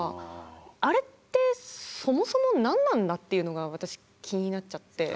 あれってそもそも何なんだっていうのが私気になっちゃって。